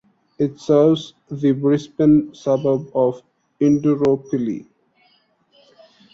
It serves the Brisbane suburb of Indooroopilly.